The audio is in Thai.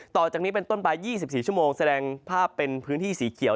ต่อจากนี้เป็นต้นไป๒๔ชั่วโมงแสดงภาพเป็นพื้นที่สีเขียว